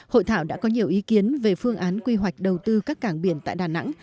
hội thảo đã có nhiều ý kiến về phương án quy hoạch đầu tư các cảng biển tại đà nẵng